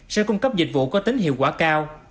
sẽ cung cấp dịch vụ có tính hiệu quả cao